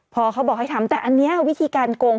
พอเขาบอกให้ทำแต่อันนี้วิธีการโกง